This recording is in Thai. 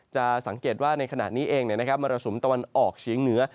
จะสังเกตว่าในขณะนี้เองมรสุมตะวันออกเฉียงเหนือ